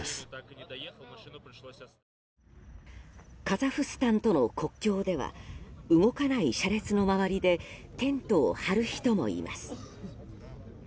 カザフスタンとの国境では動かない車列の周りでテントを張る人もいます。